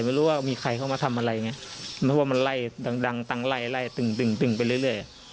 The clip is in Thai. ไม่รู้ว่ามีใครเข้ามาทำอะไรไงเพราะว่ามันไล่ดังดังตั้งไล่ไล่ตึงตึงตึงไปเรื่อย